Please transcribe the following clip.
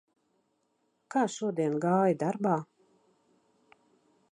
Kā šodien gāja darbā?